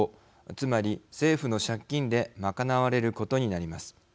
つまり、政府の借金でまかなわれることになります。